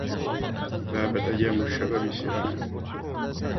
ذهبت ايام الشباب سراعا